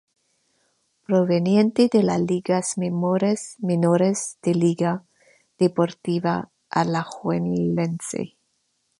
Proveniente de la Ligas menores de Liga Deportiva Alajuelense.